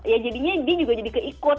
ya jadinya dia juga jadi keikut